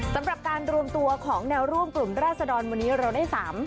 สำหรับการรวมตัวของแนวร่วมกลุ่มราศดรวันนี้เราได้๓